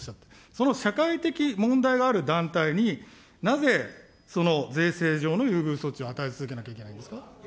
その社会的問題がある団体に、なぜ税制上の優遇措置を与え続けなければいけないんですか。